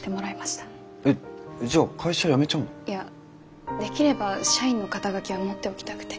いやできれば社員の肩書は持っておきたくて。